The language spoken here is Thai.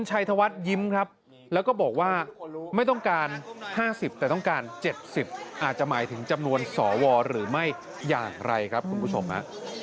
ชัยธวัฒน์ยิ้มครับแล้วก็บอกว่าไม่ต้องการ๕๐แต่ต้องการ๗๐อาจจะหมายถึงจำนวนสวหรือไม่อย่างไรครับคุณผู้ชม